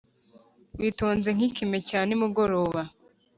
witonze nk'ikime cya nimugoroba